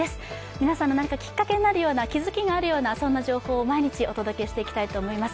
皆さんの何かきっかけになるような、気付きがあるようなそんな情報を毎日お届けしたいと思います。